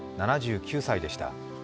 ７９歳でした。